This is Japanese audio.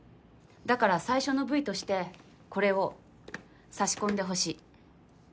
だから最初のＶとしてこれを差し込んでほしい。